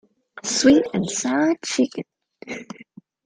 Sweet-and-sour chicken.